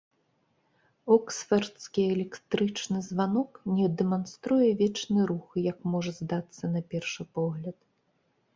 Оксфардскі электрычны званок не дэманструе вечны рух, як можа здацца на першы погляд.